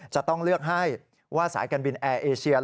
จะต้องเลือกให้ว่าสายการบินแอร์เอเชีย